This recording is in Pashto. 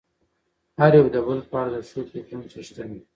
هر يو د بل په اړه د ښو فکرونو څښتن وي.